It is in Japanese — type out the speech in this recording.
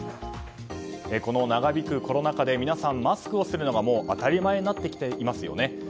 この長引くコロナ禍で皆さんマスクをするのが当たり前になってきていますよね。